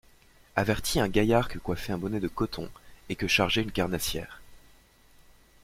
Avertit un gaillard que coiffait un bonnet de coton, et que chargeait une carnassière.